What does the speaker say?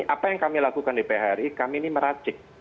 apa yang kami lakukan di phri kami ini meracik